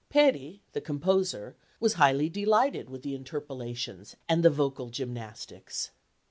Peri, the composer, was highly delighted with the interpolations and the vocal gymnastics.